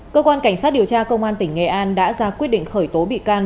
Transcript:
cơ quan cảnh sát điều tra công an tỉnh nghệ an đã ra quyết định khởi tố bị can